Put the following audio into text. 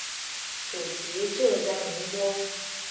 祖籍浙江宁波。